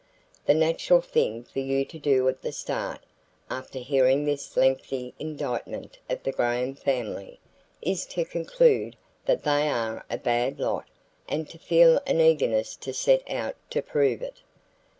"The natural thing for you to do at the start, after hearing this lengthy indictment of the Graham family, is to conclude that they are a bad lot and to feel an eagerness to set out to prove it.